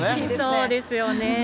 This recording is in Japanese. そうですよね。